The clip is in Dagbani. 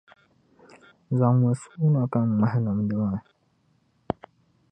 Zaŋ mi sua na ka ŋmahi nimdi maa.